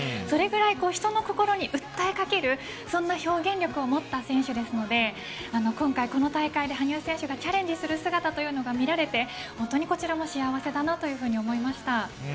それくらい人の心に訴えかける表現力を持った選手ですので今回、この大会で羽生選手がチャレンジする姿が見られて本当にこちらも幸せだなと思いました。